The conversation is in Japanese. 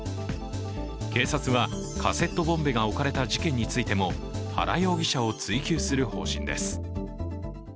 警察はカセットボンベが置かれた事件についても原容疑者を追及する方針です。